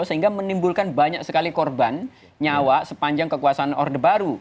sehingga menimbulkan banyak sekali korban nyawa sepanjang kekuasaan orde baru